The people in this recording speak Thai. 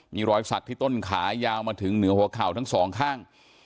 มีรอยสักที่ต้นขายาวมาถึงเหนือหัวเข่าทั้งสองข้าง